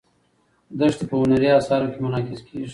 دښتې په هنري اثارو کې منعکس کېږي.